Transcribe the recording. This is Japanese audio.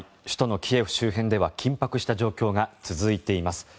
首都のキエフ周辺では緊迫した状況が続いています。